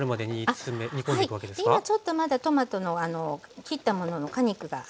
今ちょっとまだトマトの切ったものの果肉があるんですね。